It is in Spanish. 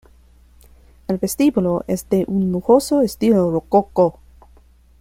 El vestíbulo es de un lujoso estilo rococó.